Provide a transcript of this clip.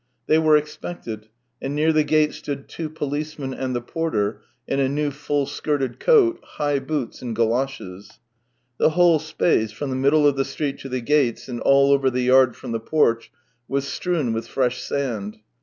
They were expected, and near the gate stood two pohcemen and the porter in a new full skirted coat, high boots, and goloshes. The whole space, from the middle of the street to the gates and all over the yard from the porch, was strewn with fresh sand.